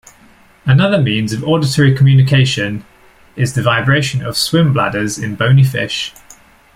Another means of auditory communication is the vibration of swim bladders in bony fish.